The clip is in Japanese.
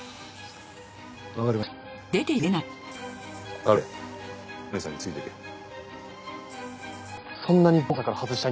わかりました。